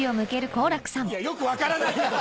よく分からないけど！